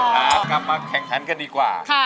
กลับมาแข่งขันกันดีกว่า